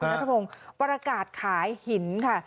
นัทพงศ์ประกาศขายหินค่ะ